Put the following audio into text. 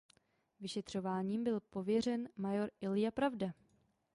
Vyšetřováním byl pověřen major Ilja Pravda.